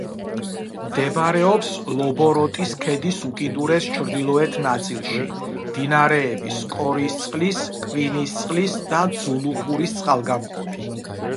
მდებარეობს ლობოროტის ქედის უკიდურეს ჩრდილოეთ ნაწილში, მდინარების კორისწყლის, კვინისწყლის და ძულუხურის წყალგამყოფი.